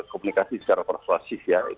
komunikasi secara persuasif ya